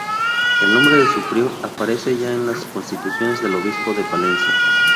El nombre se su prior aparece ya en las constituciones del obispo de Palencia.